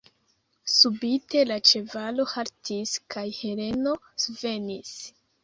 Subite la ĉevalo haltis, kaj Heleno svenis.